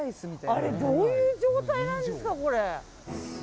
あれ、どういう状態なんですか？